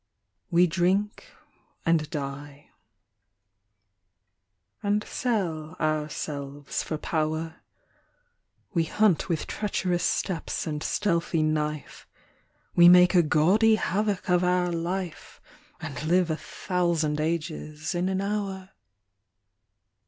We drink and the ami sell ourselves 1 . er, We hunt with treacherous steps and stealthy knife, We make a gaudy havoc of our life i thousand a zes in an hour.